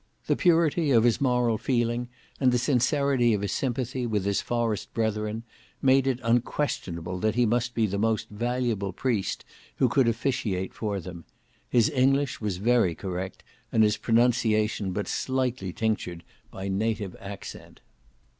The purity of his moral feeling, and the sincerity of his sympathy with his forest brethren, made it unquestionable that he must be the most valuable priest who could officiate for them. His English was very correct, and his pronunciation but slightly tinctured by native accent.